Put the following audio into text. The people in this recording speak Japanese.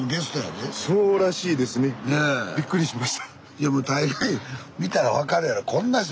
いやもう大概見たら分かるやろ。